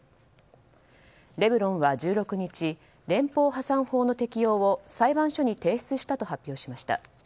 レブロンは１６日連邦破産法の適用を裁判所に提出したと発表しました。